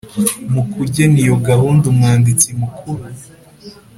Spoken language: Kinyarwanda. Mu kugena iyo gahunda Umwanditsi Mukuru